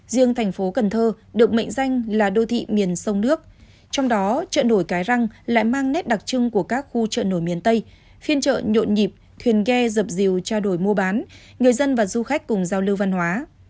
riêng thành phố cần thơ được mệnh danh là đô thị miền sông nước trong đó chợ nổi cái răng lại mang nét đặc trưng của các khu chợ nổi miền tây phiên chợ nhộn nhịp thuyền ghe dập rìu trao đổi mua bán người dân và du khách cùng giao lưu văn hóa